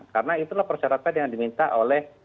karena itulah persyaratan yang diminta oleh